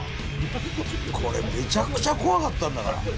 これめちゃくちゃ怖かったんだから。